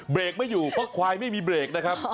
เบรกไม่อยู่เพราะควายไม่มีเบรกนะครับ